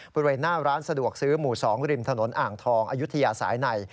บริเวณหน้าร้านสะดวกซื้อหมู่๒ริมถนนอ่างทองอายุทยาสายใน